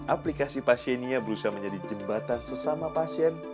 aplikasi pasienia berusaha menjadi jembatan sesama pasien